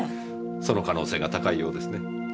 その可能性が高いようですね。